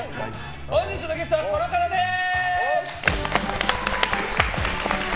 本日のゲストはこの方です！